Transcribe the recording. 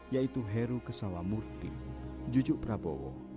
yaitu heru kesawa murti jujuk prabowo